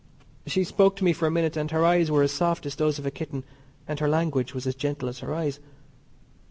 She spoke to me for a minute, and her eyes were as soft as those of a kitten and her language was as gentle as her eyes.